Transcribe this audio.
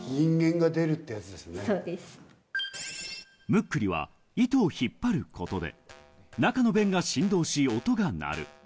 ムックリは糸を引っ張ることで中の弁が振動し音が鳴る。